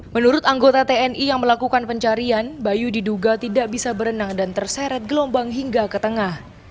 menurut anggota tni yang melakukan pencarian bayu diduga tidak bisa berenang dan terseret gelombang hingga ke tengah